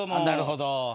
なるほど。